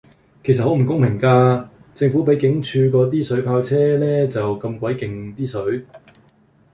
其實好唔公平架，政府比警署嗰啲水炮車呢就咁鬼勁啲水